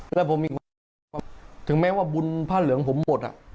แล้วผมมีความรู้สึกว่าถึงแม้ว่าบุญผ้าเหลืองผมหมด